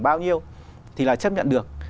bao nhiêu thì là chấp nhận được